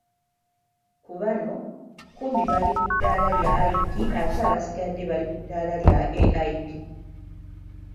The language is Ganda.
Kubano, kkumi bali kuddaala lya IP ate abasigadde bali ku ddaala lya AIP.